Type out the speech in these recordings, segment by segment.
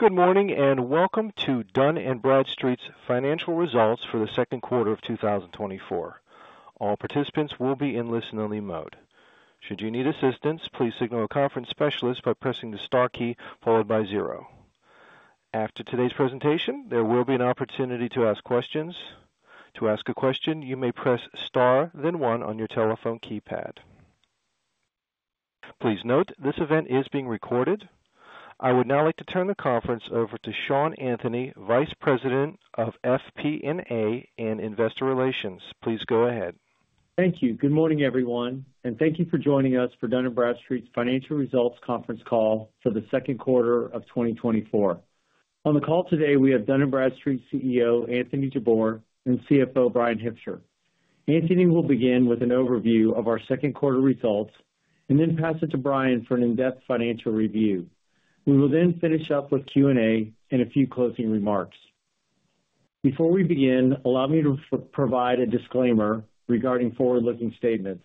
Good morning and Welcome to Dun & Bradstreet's Financial Results for the Second Quarter of 2024. All participants will be in listen-only mode. Should you need assistance, please signal a conference specialist by pressing the star key followed by zero. After today's presentation, there will be an opportunity to ask questions. To ask a question, you may press star, then one on your telephone keypad. Please note this event is being recorded. I would now like to turn the conference over to Sean Anthony, Vice President of FP&A and Investor Relations. Please go ahead. Thank you. Good morning, everyone, and thank you for joining us for Dun & Bradstreet's Financial Results Conference Call for the Second Quarter of 2024. On the call today, we have Dun & Bradstreet CEO Anthony Jabbour and CFO Bryan Hipsher. Anthony will begin with an overview of our second quarter results and then pass it to Bryan for an in-depth financial review. We will then finish up with Q&A and a few closing remarks. Before we begin, allow me to provide a disclaimer regarding forward-looking statements.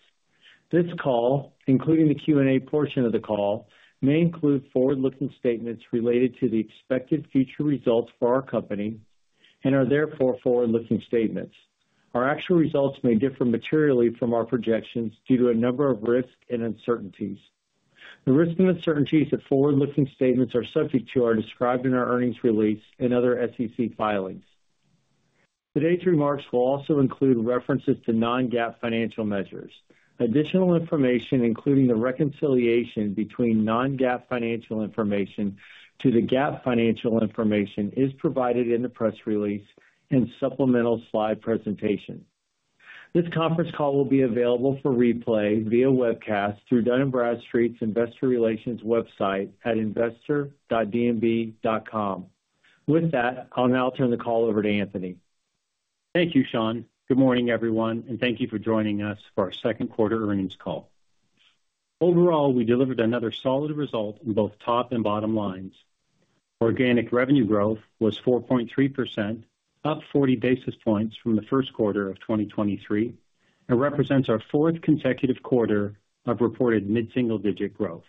This call, including the Q&A portion of the call, may include forward-looking statements related to the expected future results for our company and are therefore forward-looking statements. Our actual results may differ materially from our projections due to a number of risks and uncertainties. The risks and uncertainties of forward-looking statements are described in our earnings release and other SEC filings. Today's remarks will also include references to non-GAAP financial measures. Additional information, including the reconciliation between non-GAAP financial information to the GAAP financial information, is provided in the press release and supplemental slide presentation. This conference call will be available for replay via webcast through Dun & Bradstreet's Investor Relations website at investor.dnb.com. With that, I'll now turn the call over to Anthony. Thank you, Sean. Good morning, everyone, and thank you for joining us for our Second Quarter Earnings Call. Overall, we delivered another solid result in both top and bottom lines. Organic revenue growth was 4.3%, up 40 basis points from the first quarter of 2023, and represents our fourth consecutive quarter of reported mid-single-digit growth.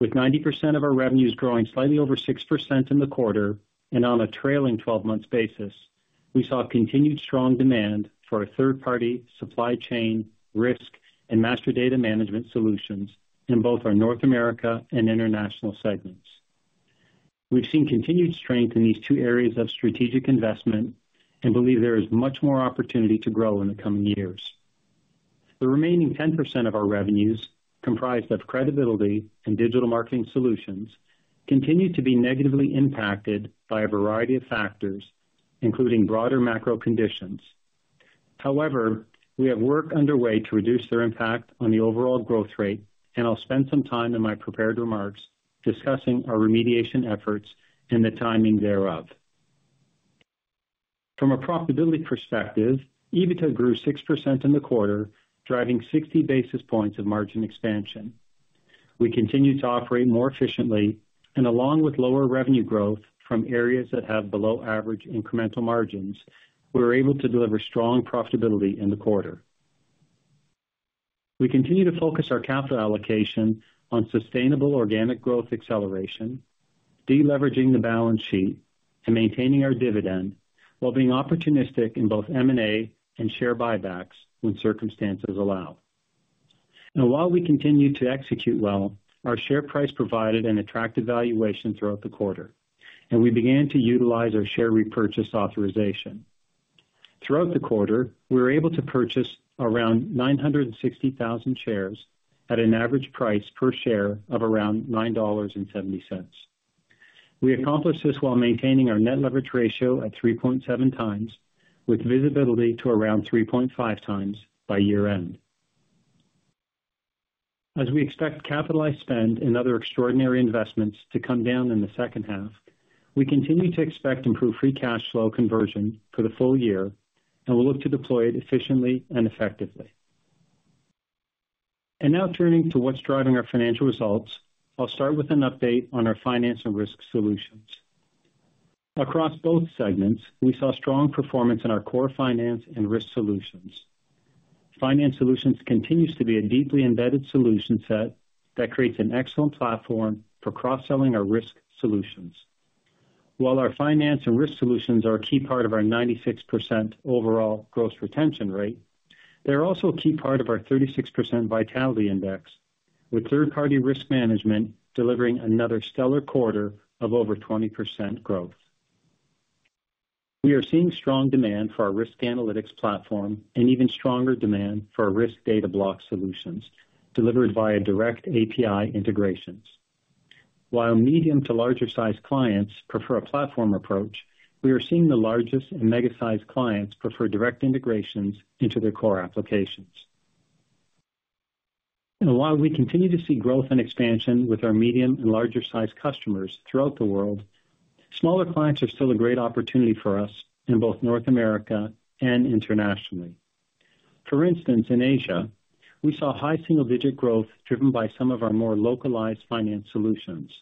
With 90% of our revenues growing slightly over 6% in the quarter and on a trailing 12-month basis, we saw continued strong demand for our third-party supply chain risk and master data management solutions in both our North America and international segments. We've seen continued strength in these two areas of strategic investment and believe there is much more opportunity to grow in the coming years. The remaining 10% of our revenues, comprised of Credibility and Digital Marketing solutions, continue to be negatively impacted by a variety of factors, including broader macro conditions. However, we have work underway to reduce their impact on the overall growth rate, and I'll spend some time in my prepared remarks discussing our remediation efforts and the timing thereof. From a profitability perspective, EBITDA grew 6% in the quarter, driving 60 basis points of margin expansion. We continue to operate more efficiently, and along with lower revenue growth from areas that have below-average incremental margins, we're able to deliver strong profitability in the quarter. We continue to focus our capital allocation on sustainable organic growth acceleration, deleveraging the balance sheet, and maintaining our dividend while being opportunistic in both M&A and share buybacks when circumstances allow. And while we continue to execute well, our share price provided an attractive valuation throughout the quarter, and we began to utilize our share repurchase authorization. Throughout the quarter, we were able to purchase around 960,000 shares at an average price per share of around $9.70. We accomplished this while maintaining our net leverage ratio at 3.7x, with visibility to around 3.5x by year-end. As we expect capitalized spend and other extraordinary investments to come down in the second half, we continue to expect improved free cash flow conversion for the full year, and we'll look to deploy it efficiently and effectively. Now turning to what's driving our financial results, I'll start with an update on our Finance & Risk Solutions. Across both segments, we saw strong performance in our core Finance & Risk Solutions. Finance solutions continue to be a deeply embedded solution set that creates an excellent platform for cross-selling our risk solutions. While our Finance & Risk Solutions are a key part of our 96% overall gross retention rate, they're also a key part of our 36% Vitality Index, with third-party risk management delivering another stellar quarter of over 20% growth. We are seeing strong demand for our Risk Analytics platform and even stronger demand for our Risk DataBlocks solutions delivered via direct API integrations. While medium to larger-sized clients prefer a platform approach, we are seeing the largest and mega-sized clients prefer direct integrations into their core applications. While we continue to see growth and expansion with our medium and larger-sized customers throughout the world, smaller clients are still a great opportunity for us in both North America and internationally. For instance, in Asia, we saw high single-digit growth driven by some of our more localized finance solutions.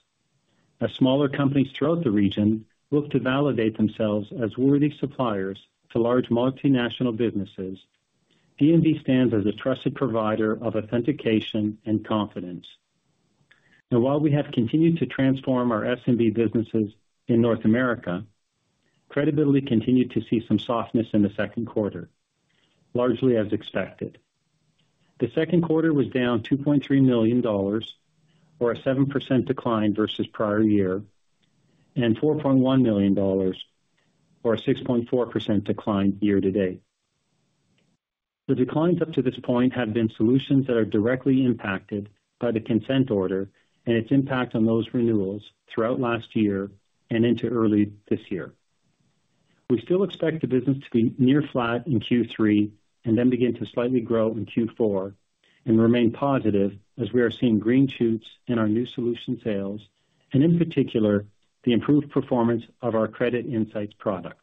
As smaller companies throughout the region look to validate themselves as worthy suppliers to large multinational businesses, D&B stands as a trusted provider of authentication and confidence. And while we have continued to transform our S&B businesses in North America, Credibility continued to see some softness in the second quarter, largely as expected. The second quarter was down $2.3 million, or a 7% decline versus prior year, and $4.1 million, or a 6.4% decline year-to-date. The declines up to this point have been solutions that are directly impacted by the consent order and its impact on those renewals throughout last year and into early this year. We still expect the business to be near flat in Q3 and then begin to slightly grow in Q4 and remain positive as we are seeing green shoots in our new solution sales and, in particular, the improved performance of our Credit Insights product.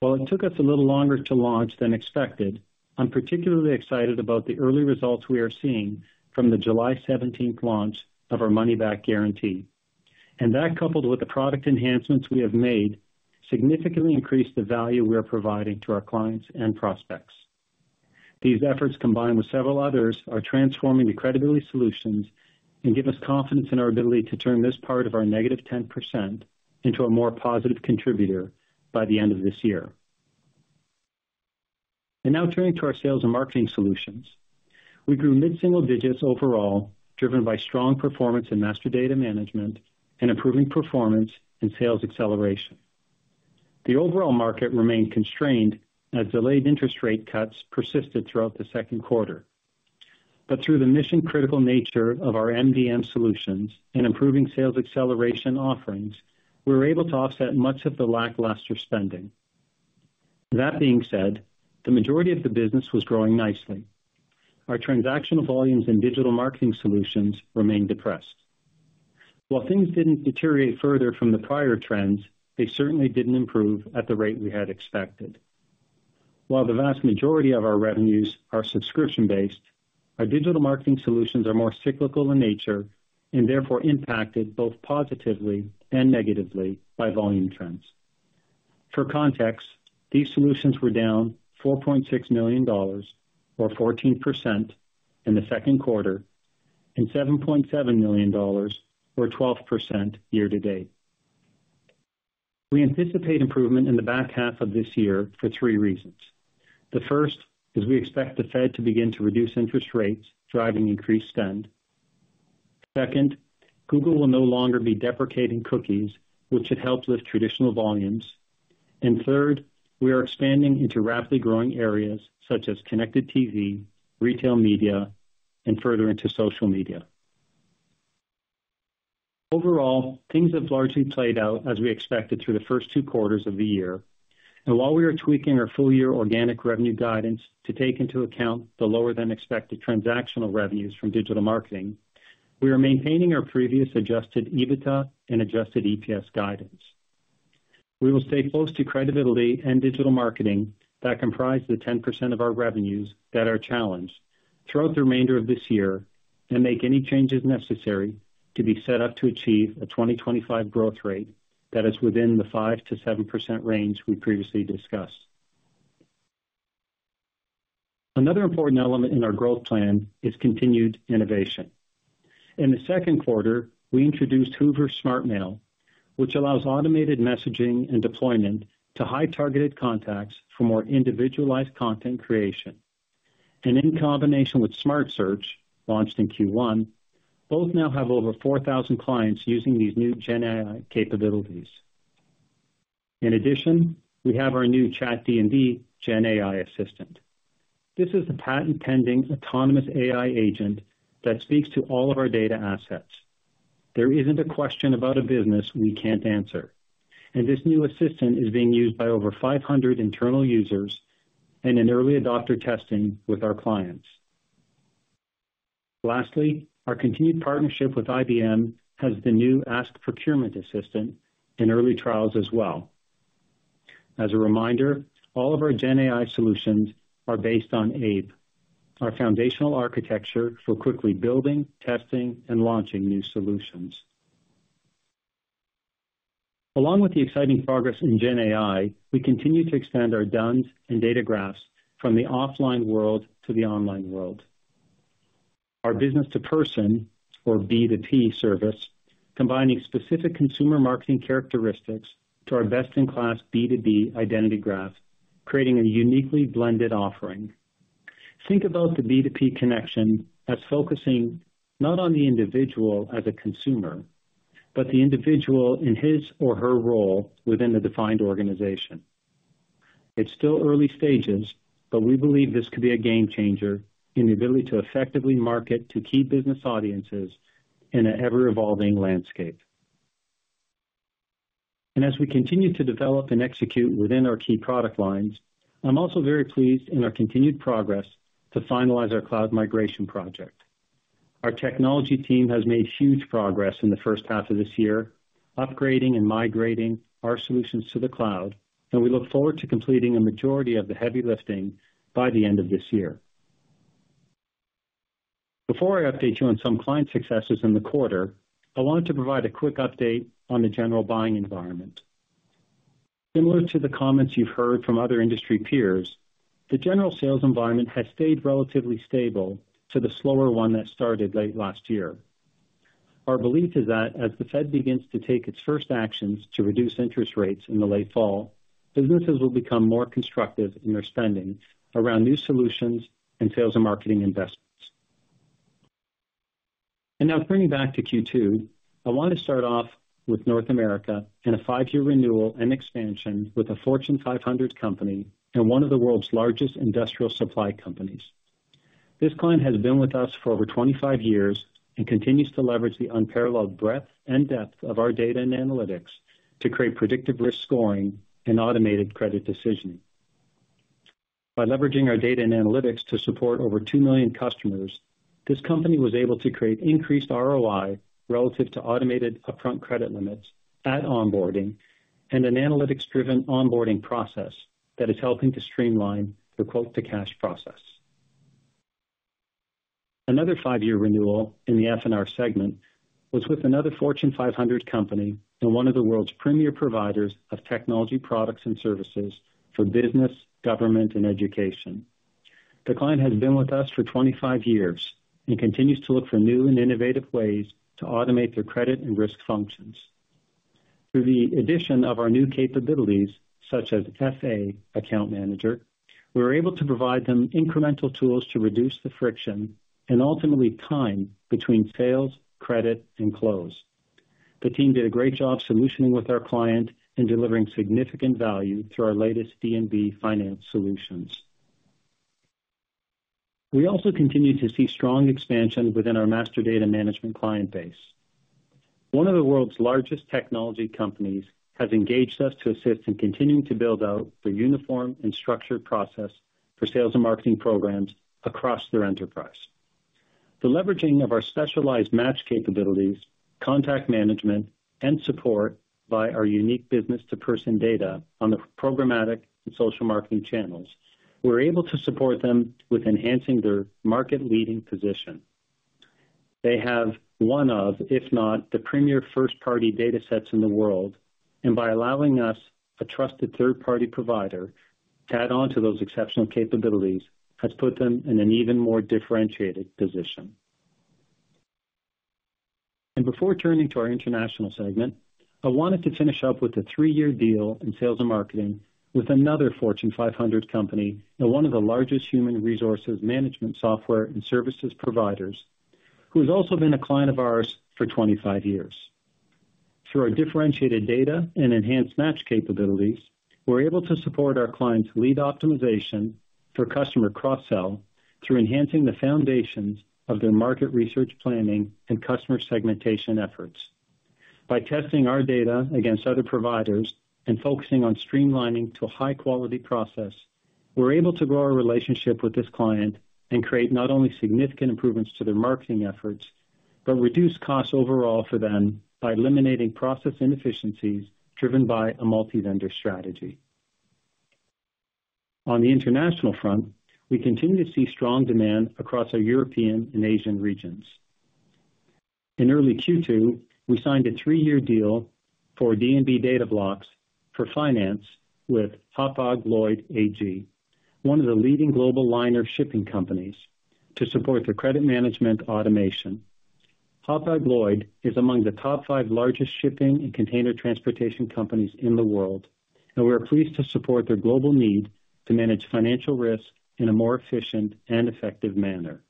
While it took us a little longer to launch than expected, I'm particularly excited about the early results we are seeing from the July 17 launch of our money-back guarantee. And that, coupled with the product enhancements we have made, significantly increased the value we are providing to our clients and prospects. These efforts, combined with several others, are transforming the Credibility solutions and give us confidence in our ability to turn this part of our -10% into a more positive contributor by the end of this year. And now turning to our sales and marketing solutions, we grew mid-single-digits overall, driven by strong performance in master data management and improving performance in sales acceleration. The overall market remained constrained as delayed interest rate cuts persisted throughout the second quarter. But through the mission-critical nature of our MDM solutions and improving sales acceleration offerings, we were able to offset much of the lackluster spending. That being said, the majority of the business was growing nicely. Our transactional volumes and digital marketing solutions remained depressed. While things didn't deteriorate further from the prior trends, they certainly didn't improve at the rate we had expected. While the vast majority of our revenues are subscription-based, our digital marketing solutions are more cyclical in nature and therefore impacted both positively and negatively by volume trends. For context, these solutions were down $4.6 million, or 14%, in the second quarter, and $7.7 million, or 12%, year-to-date. We anticipate improvement in the back half of this year for three reasons. The first is we expect the Fed to begin to reduce interest rates, driving increased spend. Second, Google will no longer be deprecating cookies, which had helped lift traditional volumes. And third, we are expanding into rapidly growing areas such as connected TV, retail media, and further into social media. Overall, things have largely played out as we expected through the first two quarters of the year. And while we are tweaking our full-year organic revenue guidance to take into account the lower-than-expected transactional revenues from digital marketing, we are maintaining our previous Adjusted EBITDA and Adjusted EPS guidance. We will stay close to Credibility and Digital Marketing that comprise the 10% of our revenues that are challenged throughout the remainder of this year and make any changes necessary to be set up to achieve a 2025 growth rate that is within the 5%-7% range we previously discussed. Another important element in our growth plan is continued innovation. In the second quarter, we introduced Hoovers SmartMail, which allows automated messaging and deployment to high-targeted contacts for more individualized content creation. And in combination with SmartSearch, launched in Q1, both now have over 4,000 clients using these new GenAI capabilities. In addition, we have our new Chat D&B GenAI Assistant. This is the patent-pending autonomous AI agent that speaks to all of our data assets. There isn't a question about a business we can't answer. And this new assistant is being used by over 500 internal users and in early adopter testing with our clients. Lastly, our continued partnership with IBM has the new Ask Procurement Assistant in early trials as well. As a reminder, all of our GenAI solutions are based on ABX, our foundational architecture for quickly building, testing, and launching new solutions. Along with the exciting progress in GenAI, we continue to expand our D-U-N-S and data graphs from the offline world to the online world. Our Business-to-Person, or B2P service, combining specific consumer marketing characteristics to our best-in-class B2B identity graph, creating a uniquely blended offering. Think about the B2P connection as focusing not on the individual as a consumer, but the individual in his or her role within the defined organization. It's still early stages, but we believe this could be a game changer in the ability to effectively market to key business audiences in an ever-evolving landscape. As we continue to develop and execute within our key product lines, I'm also very pleased in our continued progress to finalize our cloud migration project. Our technology team has made huge progress in the first half of this year, upgrading and migrating our solutions to the cloud, and we look forward to completing a majority of the heavy lifting by the end of this year. Before I update you on some client successes in the quarter, I wanted to provide a quick update on the general buying environment. Similar to the comments you've heard from other industry peers, the general sales environment has stayed relatively stable to the slower one that started late last year. Our belief is that as the Fed begins to take its first actions to reduce interest rates in the late fall, businesses will become more constructive in their spending around new solutions and sales and marketing investments. And now turning back to Q2, I want to start off with North America and a 5-year renewal and expansion with a Fortune 500 company and one of the world's largest industrial supply companies. This client has been with us for over 25 years and continues to leverage the unparalleled breadth and depth of our data and analytics to create predictive risk scoring and automated credit decisioning. By leveraging our data and analytics to support over 2 million customers, this company was able to create increased ROI relative to automated upfront credit limits at onboarding and an analytics-driven onboarding process that is helping to streamline the quote-to-cash process. Another 5-year renewal in the F&R segment was with another Fortune 500 company and one of the world's premier providers of technology products and services for business, government, and education. The client has been with us for 25 years and continues to look for new and innovative ways to automate their credit and risk functions. Through the addition of our new capabilities, such as FA Account Manager, we were able to provide them incremental tools to reduce the friction and ultimately time between sales, credit, and close. The team did a great job solutioning with our client and delivering significant value through our latest D&B finance solutions. We also continue to see strong expansion within our Master Data Management client base. One of the world's largest technology companies has engaged us to assist in continuing to build out the uniform and structured process for sales and marketing programs across their enterprise. The leveraging of our specialized match capabilities, contact management, and support by our unique business-to-person data on the programmatic and social marketing channels, we're able to support them with enhancing their market-leading position. They have one of, if not the premier first-party data sets in the world, and by allowing us a trusted third-party provider to add on to those exceptional capabilities has put them in an even more differentiated position. Before turning to our international segment, I wanted to finish up with a three-year deal in sales and marketing with another Fortune 500 company and one of the largest human resources management software and services providers, who has also been a client of ours for 25 years. Through our differentiated data and enhanced match capabilities, we're able to support our client's lead optimization for customer cross-sell through enhancing the foundations of their market research planning and customer segmentation efforts. By testing our data against other providers and focusing on streamlining to a high-quality process, we're able to grow our relationship with this client and create not only significant improvements to their marketing efforts, but reduce costs overall for them by eliminating process inefficiencies driven by a multi-vendor strategy. On the international front, we continue to see strong demand across our European and Asian regions. In early Q2, we signed a three-year deal for D&B DataBlocks for finance with Hapag-Lloyd AG, one of the leading global liner shipping companies, to support their credit management automation. Hapag-Lloyd is among the top five largest shipping and container transportation companies in the world, and we are pleased to support their global need to manage financial risk in a more efficient and effective manner.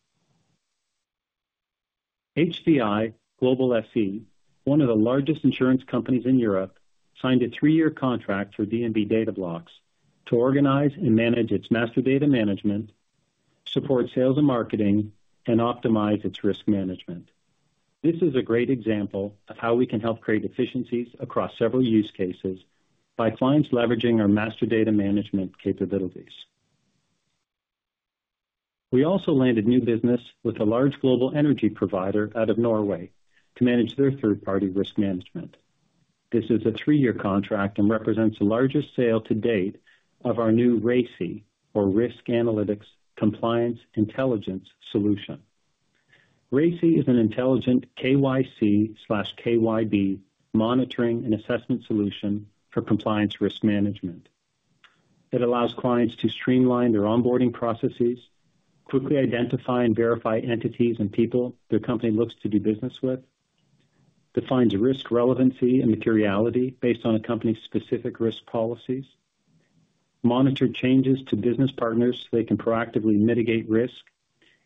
HDI Global SE, one of the largest insurance companies in Europe, signed a three-year contract for D&B DataBlocks to organize and manage its master data management, support sales and marketing, and optimize its risk management. This is a great example of how we can help create efficiencies across several use cases by clients leveraging our master data management capabilities. We also landed new business with a large global energy provider out of Norway to manage their third-party risk management. This is a three-year contract and represents the largest sale to date of our new RACI, or Risk Analytics Compliance Intelligence, solution. RACI is an intelligent KYC/KYB monitoring and assessment solution for compliance risk management. It allows clients to streamline their onboarding processes, quickly identify and verify entities and people their company looks to do business with, defines risk relevancy and materiality based on a company's specific risk policies, monitor changes to business partners so they can proactively mitigate risk,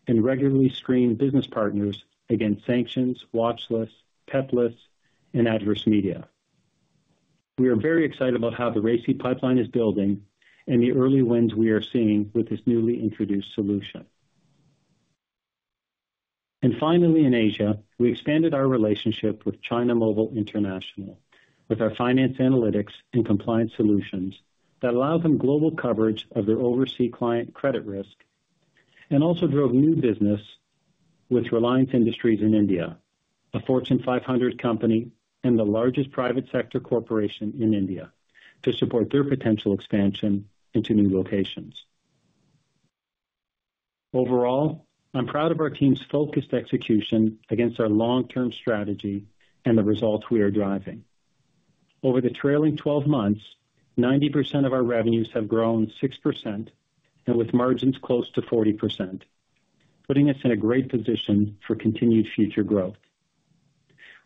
and regularly screen business partners against sanctions, watchlists, PEP lists, and adverse media. We are very excited about how the RACI pipeline is building and the early wins we are seeing with this newly introduced solution. Finally, in Asia, we expanded our relationship with China Mobile International with our Finance Analytics and Compliance Solutions that allow them global coverage of their overseas client credit risk and also drove new business with Reliance Industries in India, a Fortune 500 company and the largest private sector corporation in India, to support their potential expansion into new locations. Overall, I'm proud of our team's focused execution against our long-term strategy and the results we are driving. Over the trailing 12 months, 90% of our revenues have grown 6% and with margins close to 40%, putting us in a great position for continued future growth.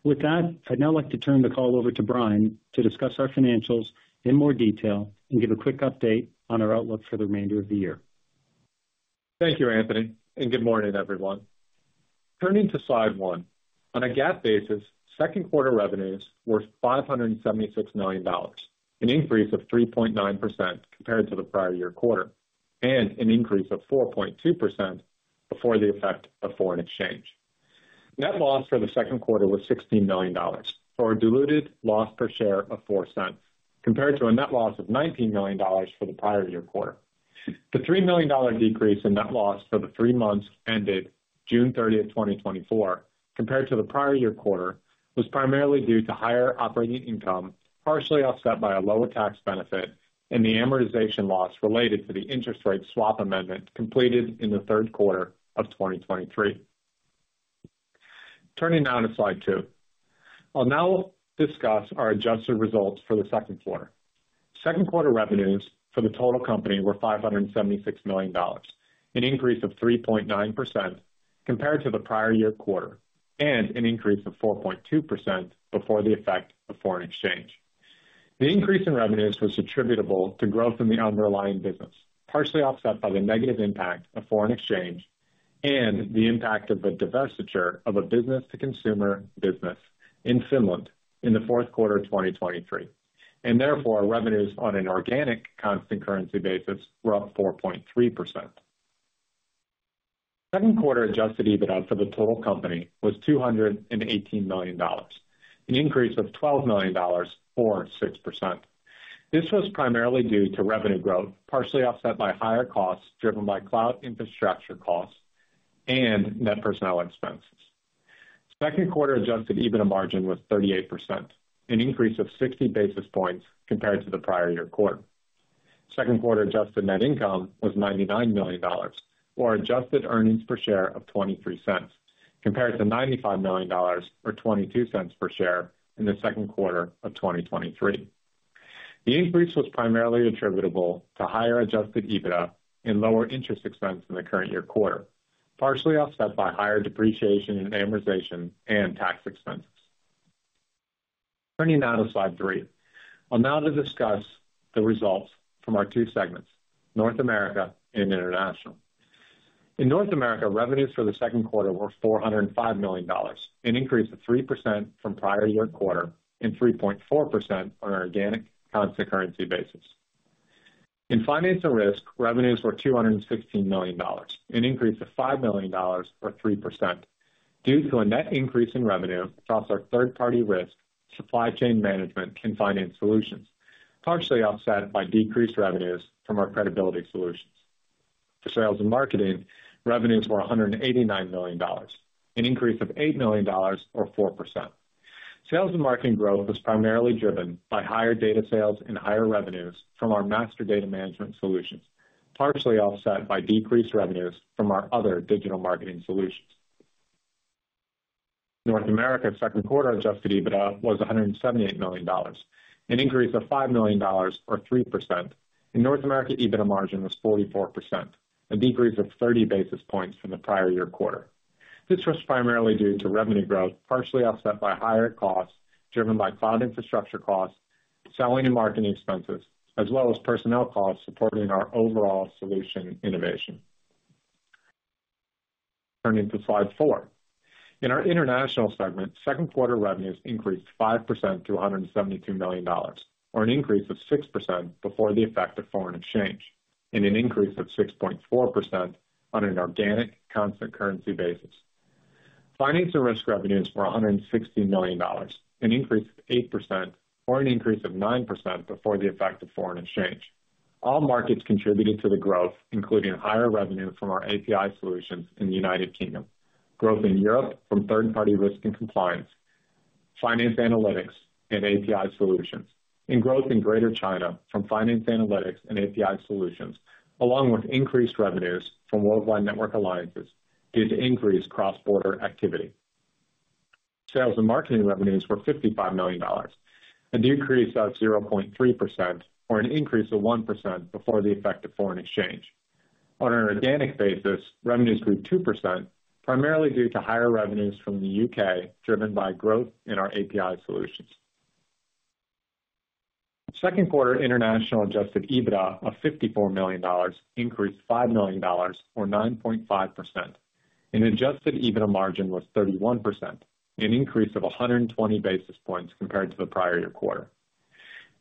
With that, I'd now like to turn the call over to Bryan to discuss our financials in more detail and give a quick update on our outlook for the remainder of the year. Thank you, Anthony, and good morning, everyone. Turning to slide one, on a GAAP basis, second quarter revenues were $576 million, an increase of 3.9% compared to the prior year quarter, and an increase of 4.2% before the effect of foreign exchange. Net loss for the second quarter was $16 million, or a diluted loss per share of $0.04, compared to a net loss of $19 million for the prior year quarter. The $3 million decrease in net loss for the three months ended June 30, 2024, compared to the prior year quarter, was primarily due to higher operating income, partially offset by a lower tax benefit, and the amortization loss related to the interest rate swap amendment completed in the third quarter of 2023. Turning now to slide two, I'll now discuss our adjusted results for the second quarter. Second quarter revenues for the total company were $576 million, an increase of 3.9% compared to the prior year quarter, and an increase of 4.2% before the effect of foreign exchange. The increase in revenues was attributable to growth in the underlying business, partially offset by the negative impact of foreign exchange and the impact of a divestiture of a business-to-consumer business in Finland in the fourth quarter of 2023. Therefore, revenues on an organic constant currency basis were up 4.3%. Second quarter Adjusted EBITDA for the total company was $218 million, an increase of $12 million or 6%. This was primarily due to revenue growth, partially offset by higher costs driven by cloud infrastructure costs and net personnel expenses. Second quarter Adjusted EBITDA margin was 38%, an increase of 60 basis points compared to the prior year quarter. Second quarter adjusted net income was $99 million, or adjusted earnings per share of $0.23, compared to $95 million or $0.22 per share in the second quarter of 2023. The increase was primarily attributable to higher Adjusted EBITDA and lower interest expense in the current year quarter, partially offset by higher depreciation and amortization and tax expenses. Turning now to slide 3, I'll now discuss the results from our two segments, North America and International. In North America, revenues for the second quarter were $405 million, an increase of 3% from prior year quarter and 3.4% on an organic constant currency basis. In Finance and Risk, revenues were $216 million, an increase of $5 million or 3% due to a net increase in revenue across our third-party risk supply chain management and finance solutions, partially offset by decreased revenues from our Credibility solutions. For Sales and Marketing, revenues were $189 million, an increase of $8 million or 4%. Sales and marketing growth was primarily driven by higher data sales and higher revenues from our master data management solutions, partially offset by decreased revenues from our other digital marketing solutions. North America's second quarter Adjusted EBITDA was $178 million, an increase of $5 million or 3%. In North America, EBITDA margin was 44%, a decrease of 30 basis points from the prior year quarter. This was primarily due to revenue growth, partially offset by higher costs driven by cloud infrastructure costs, selling and marketing expenses, as well as personnel costs supporting our overall solution innovation. Turning to slide 4, in our international segment, second quarter revenues increased 5% to $172 million, or an increase of 6% before the effect of foreign exchange, and an increase of 6.4% on an organic constant currency basis. Finance and risk revenues were $160 million, an increase of 8%, or an increase of 9% before the effect of foreign exchange. All markets contributed to the growth, including higher revenue from our API solutions in the United Kingdom, growth in Europe from third-party risk and compliance, finance analytics, and API solutions, and growth in Greater China from finance analytics and API solutions, along with increased revenues from worldwide network alliances due to increased cross-border activity. Sales and marketing revenues were $55 million, a decrease of 0.3%, or an increase of 1% before the effect of foreign exchange. On an organic basis, revenues grew 2%, primarily due to higher revenues from the U.K. driven by growth in our API solutions. Second quarter international Adjusted EBITDA of $54 million increased $5 million, or 9.5%. An Adjusted EBITDA margin was 31%, an increase of 120 basis points compared to the prior year quarter.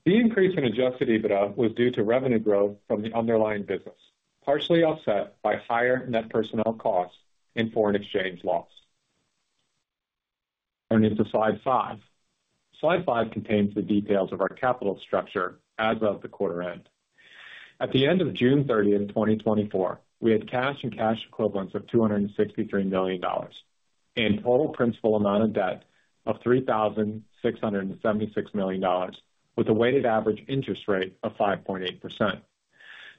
The increase in Adjusted EBITDA was due to revenue growth from the underlying business, partially offset by higher net personnel costs and foreign exchange loss. Turning to Slide 5. Slide 5 contains the details of our capital structure as of the quarter end. At the end of June 30, 2024, we had cash and cash equivalents of $263 million and total principal amount of debt of $3,676 million, with a weighted average interest rate of 5.8%.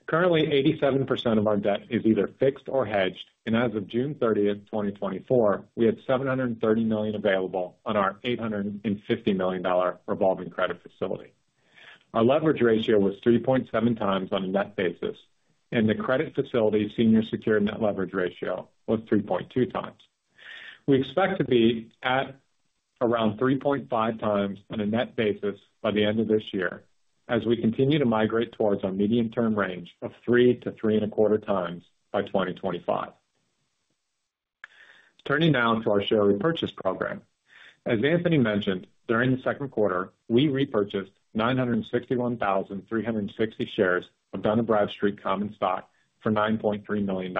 Currently, 87% of our debt is either fixed or hedged, and as of June 30, 2024, we had $730 million available on our $850 million revolving credit facility. Our leverage ratio was 3.7x on a net basis, and the credit facility senior secured net leverage ratio was 3.2x. We expect to be at around 3.5x on a net basis by the end of this year as we continue to migrate towards our medium-term range of 3x to 3.25x by 2025. Turning now to our share repurchase program. As Anthony mentioned, during the second quarter, we repurchased 961,360 shares of Dun & Bradstreet common stock for $9.3 million,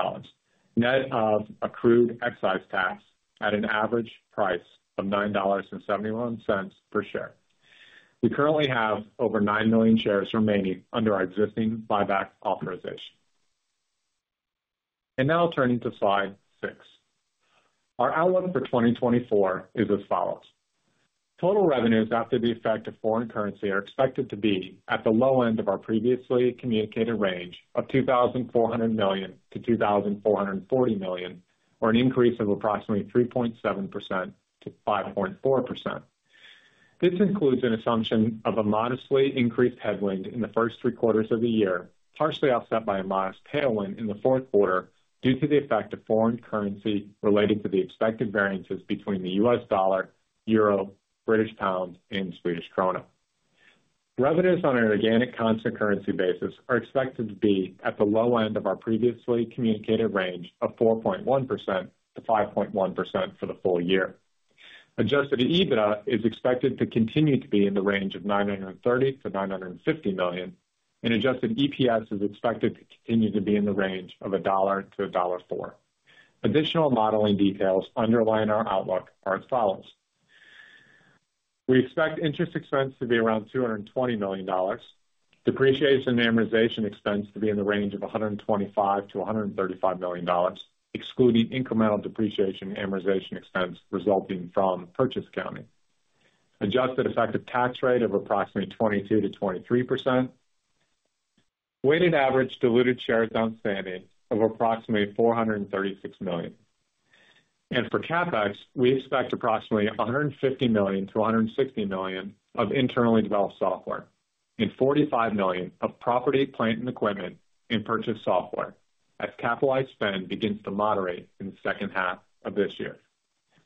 net of accrued excise tax at an average price of $9.71 per share. We currently have over 9 million shares remaining under our existing buyback authorization. Now turning to slide 6, our outlook for 2024 is as follows. Total revenues after the effect of foreign currency are expected to be at the low end of our previously communicated range of $2,400 million-$2,440 million, or an increase of approximately 3.7%-5.4%. This includes an assumption of a modestly increased headwind in the first three quarters of the year, partially offset by a modest tailwind in the fourth quarter due to the effect of foreign currency related to the expected variances between the US dollar, euro, British pound, and Swedish krona. Revenues on an organic constant currency basis are expected to be at the low end of our previously communicated range of 4.1%-5.1% for the full year. Adjusted EBITDA is expected to continue to be in the range of $930-$950 million, and Adjusted EPS is expected to continue to be in the range of $1-$1.04. Additional modeling details underlying our outlook are as follows. We expect interest expense to be around $220 million, depreciation and amortization expense to be in the range of $125-$135 million, excluding incremental depreciation and amortization expense resulting from purchase accounting, adjusted effective tax rate of approximately 22%-23%, weighted average diluted shares outstanding of approximately 436 million. For CapEx, we expect approximately $150-$160 million of internally developed software and $45 million of property, plant, and equipment and purchased software as capitalized spend begins to moderate in the second half of this year.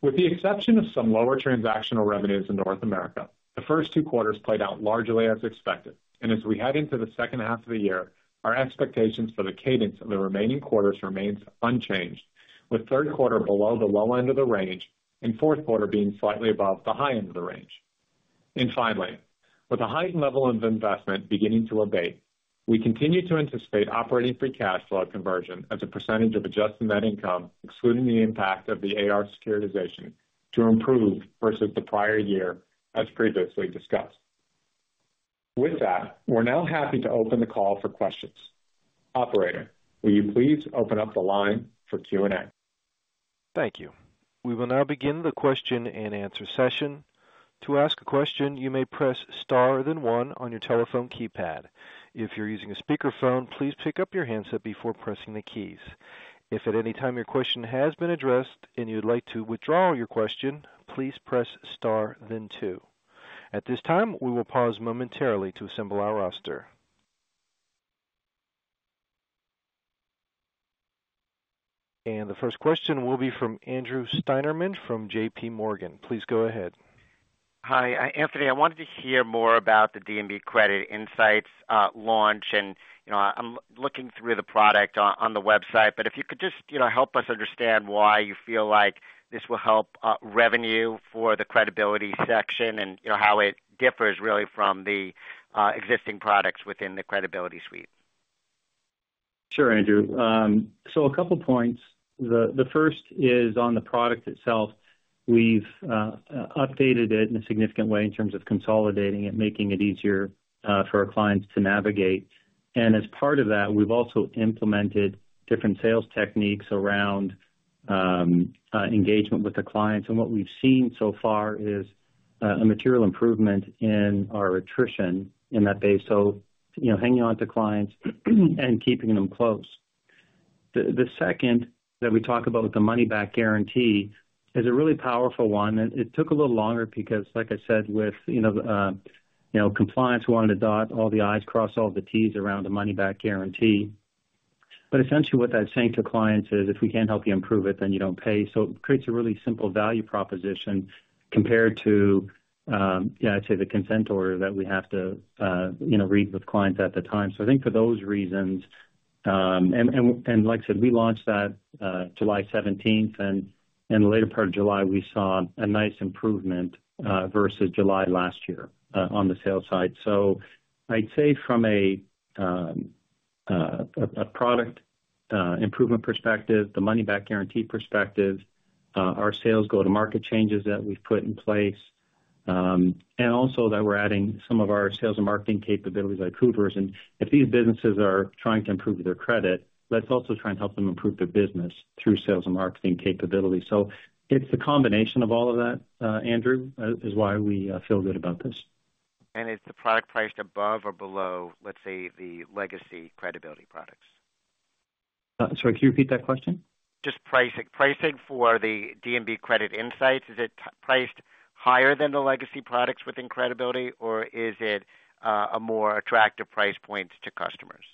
With the exception of some lower transactional revenues in North America, the first two quarters played out largely as expected. As we head into the second half of the year, our expectations for the cadence of the remaining quarters remains unchanged, with third quarter below the low end of the range and fourth quarter being slightly above the high end of the range. And finally, with a heightened level of investment beginning to abate, we continue to anticipate operating free cash flow conversion as a percentage of adjusted net income, excluding the impact of the AR securitization, to improve versus the prior year, as previously discussed. With that, we're now happy to open the call for questions. Operator, will you please open up the line for Q&A? Thank you. We will now begin the question and answer session. To ask a question, you may press star then one on your telephone keypad. If you're using a speakerphone, please pick up your handset before pressing the keys. If at any time your question has been addressed and you'd like to withdraw your question, please press star then two. At this time, we will pause momentarily to assemble our roster. The first question will be from Andrew Steinerman from J.P. Morgan. Please go ahead. Hi, Anthony. I wanted to hear more about the D&B Credit Insights launch, and I'm looking through the product on the website, but if you could just help us understand why you feel like this will help revenue for the Credibility section and how it differs really from the existing products within the Credibility suite. Sure, Andrew. A couple of points. The first is on the product itself. We've updated it in a significant way in terms of consolidating it, making it easier for our clients to navigate. And as part of that, we've also implemented different sales techniques around engagement with the clients. And what we've seen so far is a material improvement in our attrition in that base, so hanging on to clients and keeping them close. The second that we talk about with the money-back guarantee is a really powerful one. And it took a little longer because, like I said, with compliance, we wanted to dot all the i's, cross all the t's around the money-back guarantee. But essentially, what that's saying to clients is, if we can't help you improve it, then you don't pay. So it creates a really simple value proposition compared to, I'd say, the consent order that we have to read with clients at the time. So I think for those reasons, and like I said, we launched that July 17th, and in the later part of July, we saw a nice improvement versus July last year on the sales side. So I'd say from a product improvement perspective, the money-back guarantee perspective, our sales go-to-market changes that we've put in place, and also that we're adding some of our sales and marketing capabilities like Hoovers. And if these businesses are trying to improve their credit, let's also try and help them improve their business through sales and marketing capability. So it's the combination of all of that, Andrew, is why we feel good about this. And is the product priced above or below, let's say, the legacy Credibility products? Sorry, can you repeat that question? Just pricing. Pricing for the D&B Credit Insights, is it priced higher than the legacy products within Credibility, or is it a more attractive price point to customers?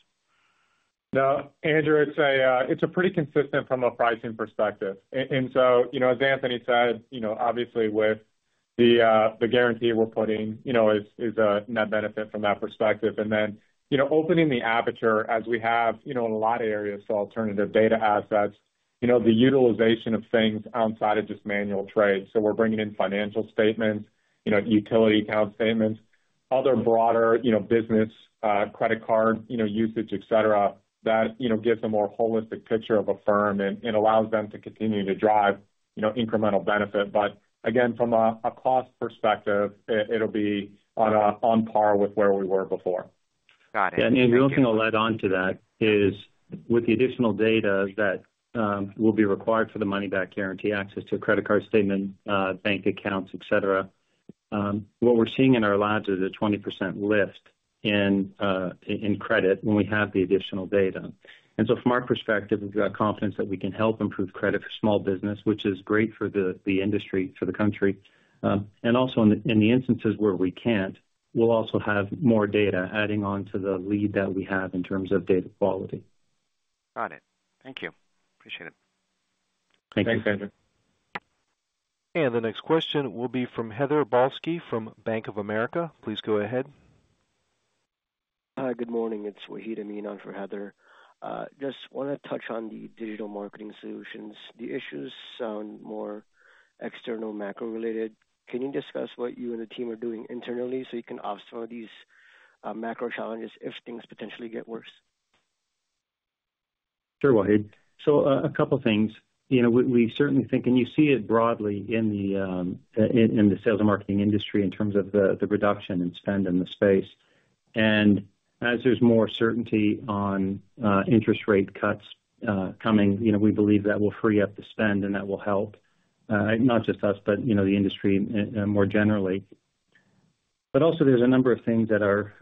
No, Andrew, it's a pretty consistent from a pricing perspective. And so, as Anthony said, obviously, with the guarantee we're putting, is a net benefit from that perspective. And then opening the aperture, as we have in a lot of areas, so alternative data assets, the utilization of things outside of just manual trade. So we're bringing in financial statements, utility account statements, other broader business credit card usage, etc., that gives a more holistic picture of a firm and allows them to continue to drive incremental benefit. But again, from a cost perspective, it'll be on par with where we were before. Got it. And Andrew, one thing I'll add on to that is with the additional data that will be required for the money-back guarantee, access to credit card statements, bank accounts, etc., what we're seeing in our labs is a 20% lift in credit when we have the additional data. And so from our perspective, we've got confidence that we can help improve credit for small business, which is great for the industry, for the country. And also in the instances where we can't, we'll also have more data adding on to the lead that we have in terms of data quality. Got it. Thank you. Appreciate it. Thank you, Andrew. And the next question will be from Heather Balsky from Bank of America. Please go ahead. Hi, good morning. It's Wahid Amin for Heather. Just want to touch on the digital marketing solutions. The issues sound more external macro-related. Can you discuss what you and the team are doing internally so you can offset these macro challenges if things potentially get worse? Sure, Waheed. So a couple of things. We certainly think, and you see it broadly in the sales and marketing industry in terms of the reduction in spend in the space. And as there's more certainty on interest rate cuts coming, we believe that will free up the spend and that will help not just us, but the industry more generally. But also there's a number of things that are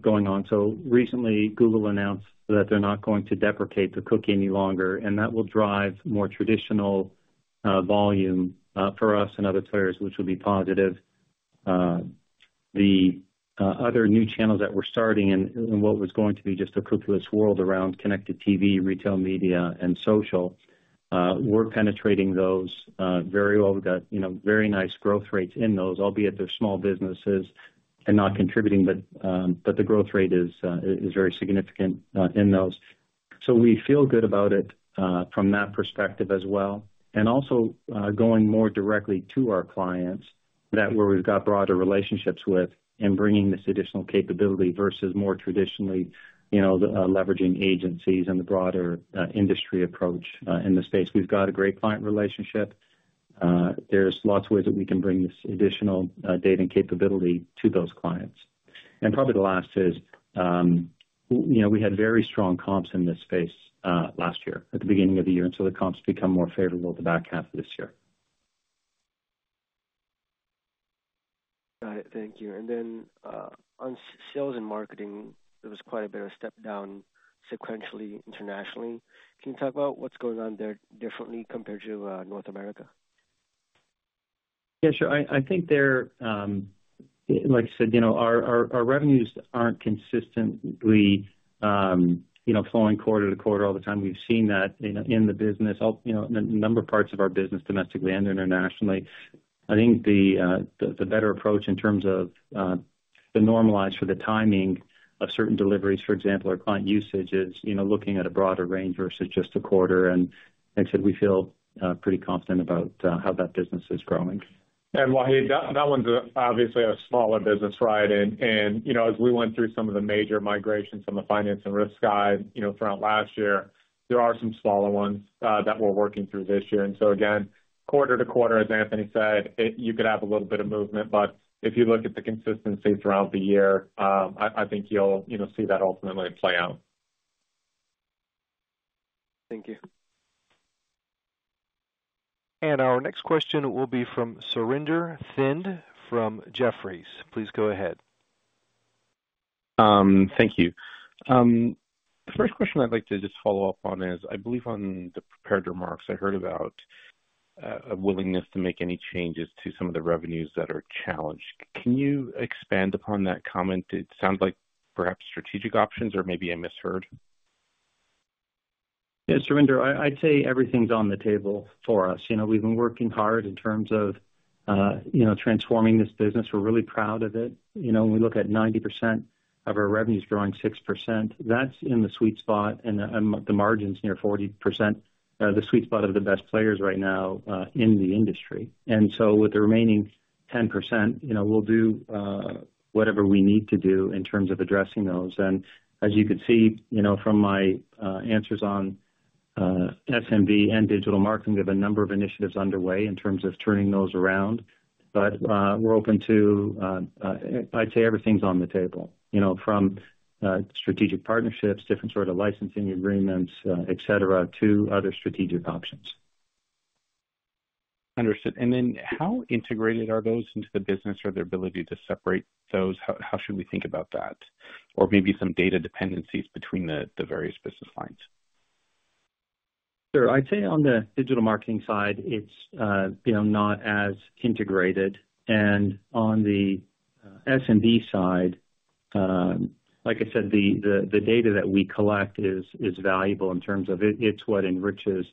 going on. So recently, Google announced that they're not going to deprecate the cookie any longer, and that will drive more traditional volume for us and other players, which will be positive. The other new channels that we're starting and what was going to be just a cookieless world around Connected TV, Retail Media, and social, we're penetrating those very well. We've got very nice growth rates in those, albeit they're small businesses and not contributing, but the growth rate is very significant in those. So we feel good about it from that perspective as well. And also going more directly to our clients that we've got broader relationships with and bringing this additional capability versus more traditionally leveraging agencies and the broader industry approach in the space. We've got a great client relationship. There's lots of ways that we can bring this additional data and capability to those clients. Probably the last is, we had very strong comps in this space last year at the beginning of the year, and so the comps become more favorable to back half of this year. Got it. Thank you. And then on sales and marketing, there was quite a bit of a step down sequentially internationally. Can you talk about what's going on there differently compared to North America? Yeah, sure. I think they're, like I said, our revenues aren't consistently flowing quarter to quarter all the time. We've seen that in the business, in a number of parts of our business, domestically and internationally. I think the better approach in terms of the normalized for the timing of certain deliveries, for example, our client usage is looking at a broader range versus just a quarter. And like I said, we feel pretty confident about how that business is growing. And Waheed, that one's obviously a smaller business, right? And as we went through some of the major migrations from the finance and risk side throughout last year, there are some smaller ones that we're working through this year. And so again, quarter to quarter, as Anthony said, you could have a little bit of movement, but if you look at the consistency throughout the year, I think you'll see that ultimately play out. Thank you. And our next question will be from Surinder Thind from Jefferies. Please go ahead. Thank you. The first question I'd like to just follow up on is, I believe on the prepared remarks I heard about a willingness to make any changes to some of the revenues that are challenged. Can you expand upon that comment? It sounds like perhaps strategic options or maybe I misheard. Yeah, Surinder, I'd say everything's on the table for us. We've been working hard in terms of transforming this business. We're really proud of it. When we look at 90% of our revenues growing 6%, that's in the sweet spot, and the margin's near 40%, the sweet spot of the best players right now in the industry. And so with the remaining 10%, we'll do whatever we need to do in terms of addressing those. And as you can see from my answers on SMB and digital marketing, we have a number of initiatives underway in terms of turning those around. But we're open to, I'd say everything's on the table from strategic partnerships, different sorts of licensing agreements, etc., to other strategic options. Understood. And then how integrated are those into the business or their ability to separate those? How should we think about that? Or maybe some data dependencies between the various business lines? Sure. I'd say on the digital marketing side, it's not as integrated. And on the SMB side, like I said, the data that we collect is valuable in terms of it's what enriches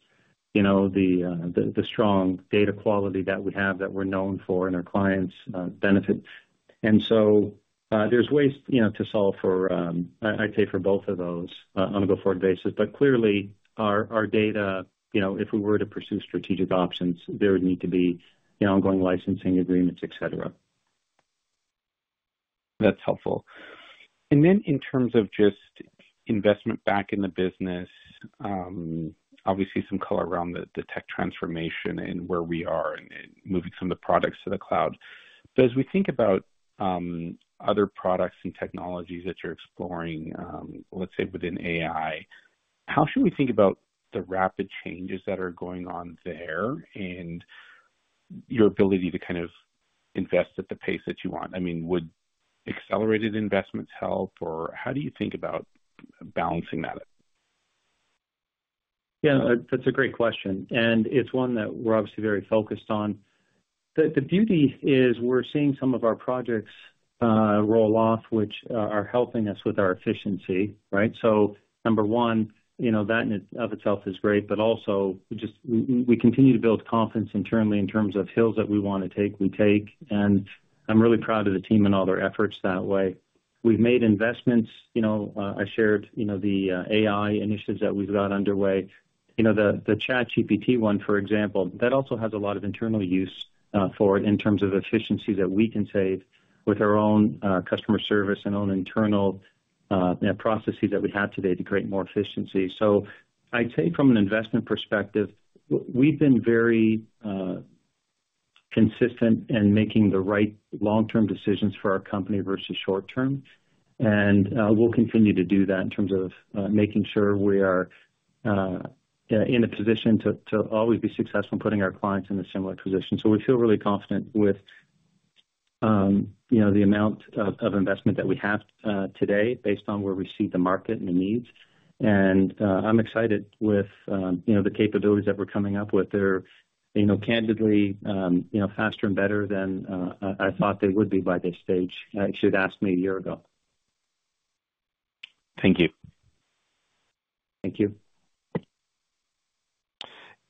the strong data quality that we have that we're known for and our clients' benefit. And so there's ways to solve for, I'd say, for both of those on a go forward basis. But clearly, our data, if we were to pursue strategic options, there would need to be ongoing licensing agreements, etc. That's helpful. And then in terms of just investment back in the business, obviously some color around the tech transformation and where we are and moving some of the products to the cloud. But as we think about other products and technologies that you're exploring, let's say within AI, how should we think about the rapid changes that are going on there and your ability to kind of invest at the pace that you want? I mean, would accelerated investments help, or how do you think about balancing that? Yeah, that's a great question. And it's one that we're obviously very focused on. The beauty is we're seeing some of our projects roll off, which are helping us with our efficiency, right? So number one, that in and of itself is great, but also we continue to build confidence internally in terms of hills that we want to take, we take. And I'm really proud of the team and all their efforts that way. We've made investments. I shared the AI initiatives that we've got underway. The ChatGPT one, for example, that also has a lot of internal use for it in terms of efficiencies that we can save with our own customer service and own internal processes that we have today to create more efficiency. So I'd say from an investment perspective, we've been very consistent in making the right long-term decisions for our company versus short-term. And we'll continue to do that in terms of making sure we are in a position to always be successful in putting our clients in a similar position. So we feel really confident with the amount of investment that we have today based on where we see the market and the needs. And I'm excited with the capabilities that we're coming up with. They're candidly faster and better than I thought they would be by this stage. I should have asked me a year ago. Thank you. Thank you.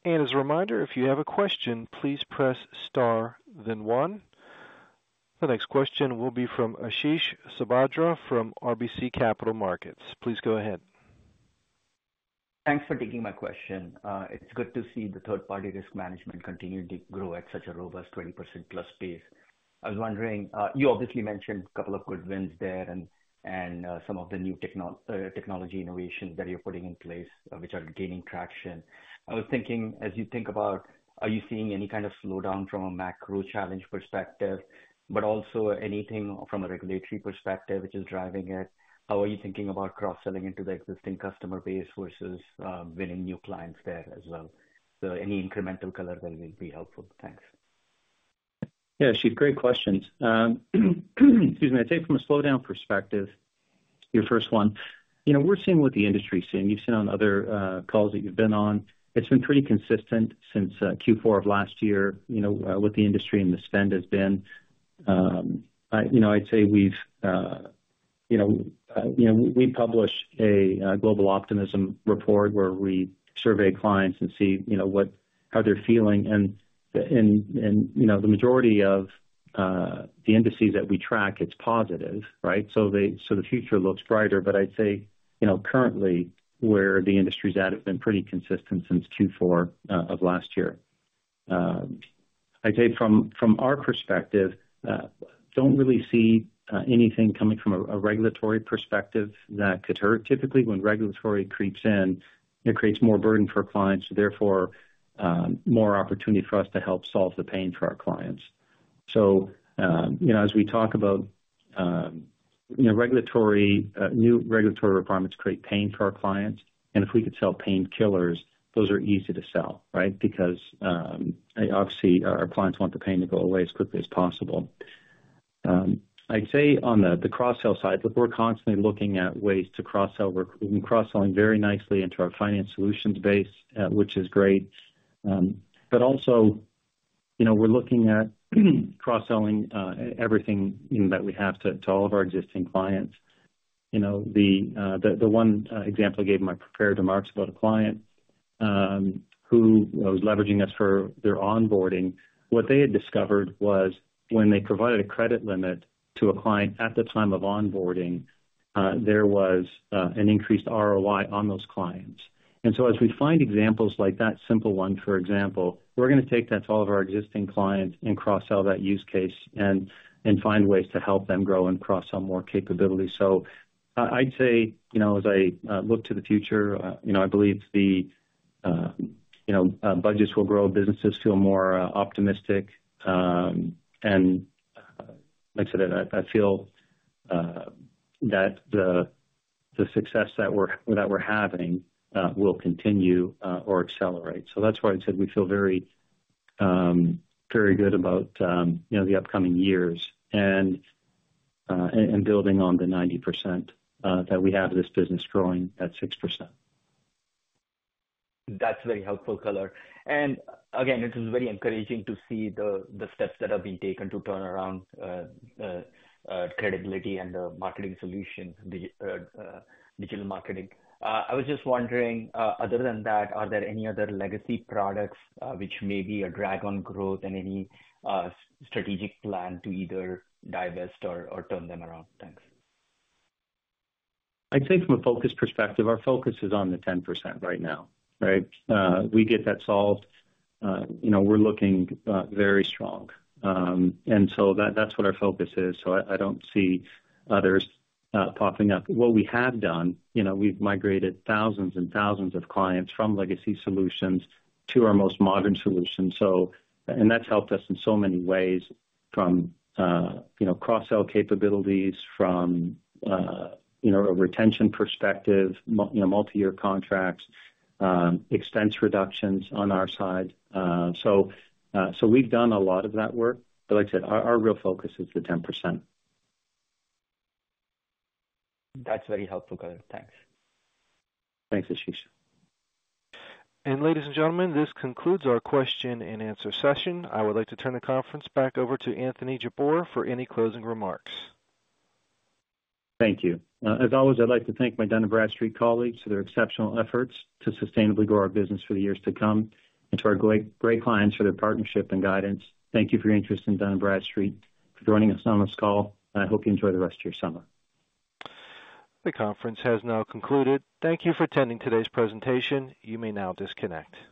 And as a reminder, if you have a question, please press star, then one. The next question will be from Ashish Sabadra from RBC Capital Markets. Please go ahead. Thanks for taking my question. It's good to see the third-party risk management continue to grow at such a robust 20%+ pace. I was wondering, you obviously mentioned a couple of good wins there and some of the new technology innovations that you're putting in place, which are gaining traction. I was thinking, as you think about, are you seeing any kind of slowdown from a macro challenge perspective, but also anything from a regulatory perspective which is driving it? How are you thinking about cross-selling into the existing customer base versus winning new clients there as well? So any incremental color there will be helpful. Thanks. Yeah, Ashish, great questions. Excuse me. I'd say from a slowdown perspective, your first one, we're seeing what the industry's seeing. You've seen on other calls that you've been on. It's been pretty consistent since Q4 of last year with the industry and the spend has been. I'd say we've published a global optimism report where we survey clients and see how they're feeling. And the majority of the indices that we track, it's positive, right? So the future looks brighter. But I'd say currently, where the industry's at, it's been pretty consistent since Q4 of last year. I'd say from our perspective, don't really see anything coming from a regulatory perspective that could hurt. Typically, when regulatory creeps in, it creates more burden for clients, therefore more opportunity for us to help solve the pain for our clients. So as we talk about new regulatory requirements create pain for our clients. If we could sell painkillers, those are easy to sell, right? Because obviously, our clients want the pain to go away as quickly as possible. I'd say on the cross-sell side, look, we're constantly looking at ways to cross-sell. We've been cross-selling very nicely into our finance solutions base, which is great. But also we're looking at cross-selling everything that we have to all of our existing clients. The one example I gave in my prepared remarks about a client who was leveraging us for their onboarding, what they had discovered was when they provided a credit limit to a client at the time of onboarding, there was an increased ROI on those clients. And so as we find examples like that simple one, for example, we're going to take that to all of our existing clients and cross-sell that use case and find ways to help them grow and cross-sell more capability. So I'd say as I look to the future, I believe the budgets will grow, businesses feel more optimistic. And like I said, I feel that the success that we're having will continue or accelerate. So that's why I said we feel very good about the upcoming years and building on the 90% that we have, this business growing at 6%. That's very helpful, color. And again, it was very encouraging to see the steps that have been taken to turn around Credibility and the Marketing Solution, digital marketing. I was just wondering, other than that, are there any other legacy products which may be a drag on growth and any strategic plan to either divest or turn them around? Thanks. I'd say from a focus perspective, our focus is on the 10% right now, right? We get that solved. We're looking very strong. And so that's what our focus is. So I don't see others popping up. What we have done, we've migrated thousands and thousands of clients from legacy solutions to our most modern solutions. And that's helped us in so many ways from cross-sell capabilities, from a retention perspective, multi-year contracts, expense reductions on our side. So we've done a lot of that work. But like I said, our real focus is the 10%. That's very helpful, color. Thanks. Thanks, Ashish. And ladies and gentlemen, this concludes our question and answer session. I would like to turn the conference back over to Anthony Jabbour for any closing remarks. Thank you. As always, I'd like to thank my Dun & Bradstreet colleagues for their exceptional efforts to sustainably grow our business for the years to come and to our great clients for their partnership and guidance. Thank you for your interest in Dun & Bradstreet for joining us on this call. I hope you enjoy the rest of your summer. The conference has now concluded. Thank you for attending today's presentation. You may now disconnect.